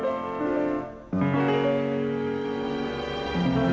สวัสดีค่ะ